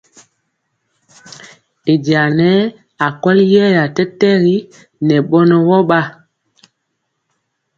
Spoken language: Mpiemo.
Y jaŋa nɛɛ akweli yeeya tɛtɛgi ŋɛ bɔnɔ wɔ bn.